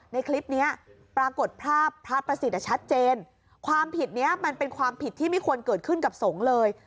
ในคลิปนี้ปรากฏภาพพระประสิทธิ์ชัดเจนความผิดนี้มันเป็นความผิดที่ไม่ควรเกิดขึ้นกับสงฆ์เลย